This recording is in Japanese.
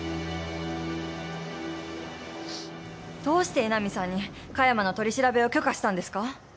どうして江波さんに加山の取り調べを許可したんですか？